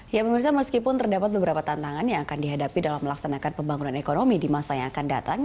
ya pemirsa meskipun terdapat beberapa tantangan yang akan dihadapi dalam melaksanakan pembangunan ekonomi di masa yang akan datang